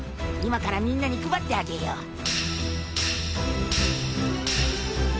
今からみんなに配ってあげよう。